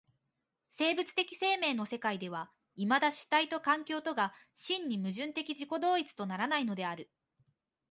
生物的生命の世界ではいまだ主体と環境とが真に矛盾的自己同一とならないのである。